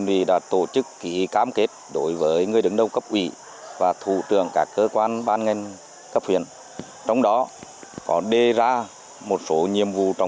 xin chào và hẹn gặp lại